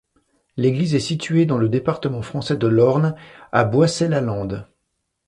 L'église est située dans le département français de l'Orne, à Boissei-la-Lande.